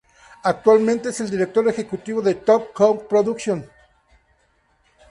Actualmente es el Director ejecutivo de "Top Cow Productions".